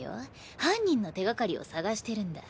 犯人の手掛かりを探してるんだ。